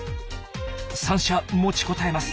三者持ちこたえます。